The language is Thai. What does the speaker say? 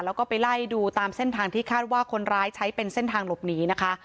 แล้วก็ไปไล่ดูตามเส้นทางที่คาดว่าคนร้ายใช้เป็นเส้นทางหลบหนีนะคะ